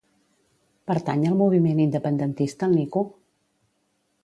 Pertany al moviment independentista el Nico?